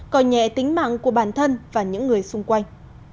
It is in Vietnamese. coi nhẹ tính mạng của bản thân và những người xung quanh